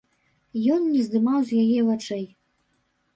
Ён не здымаў з яе вачэй.